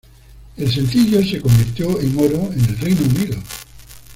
El sencillo se convirtió en Oro en el Reino Unido.